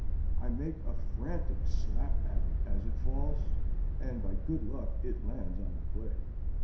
I make a frantic slap at it as it falls, and by good luck it lands on the plate.